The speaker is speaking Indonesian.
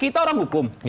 kita orang hukum